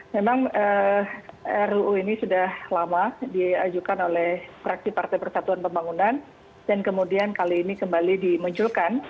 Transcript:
memang ruu ini sudah lama diajukan oleh praksi partai persatuan pembangunan dan kemudian kali ini kembali dimunculkan